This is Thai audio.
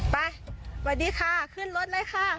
ไปสวัสดีค่ะขึ้นรถเลยค่ะ